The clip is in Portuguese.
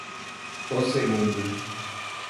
O segundo.